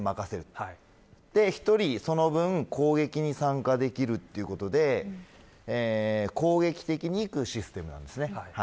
そして１人、その分攻撃に参加できるということで攻撃的にいくシステムなんです。